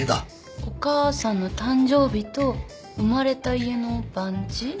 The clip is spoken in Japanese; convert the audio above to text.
お母さんの誕生日と生まれた家の番地？